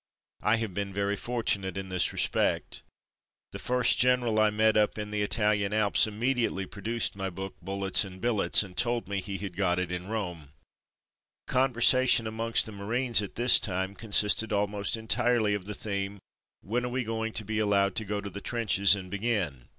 I have been very fortunate in this respect. The first general I met up in the Italian Alps immediately produced my book Bullets and Billets^ and told me he had got it in Rome. The conversation amongst the Marines at this time consisted almost entirely of the theme ^'When are we going to be allowed to go to the trenches and begin?''